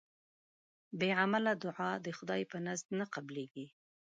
بی عمله دوعا د خدای ج په نزد نه قبلېږي